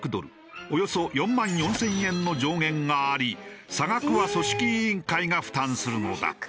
およそ４万４０００円の上限があり差額は組織委員会が負担するのだ。